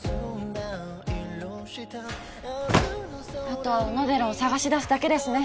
あとは小野寺を探し出すだけですね。